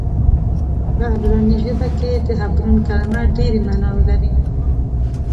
په عبراني ژبه کې د حبرون کلمه ډېرې معناوې لري.